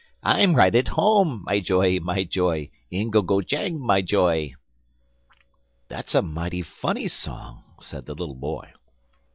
I'm right at home, my joy, my joy Ingle go jang, my joy!'" "That's a mighty funny song," said the little boy.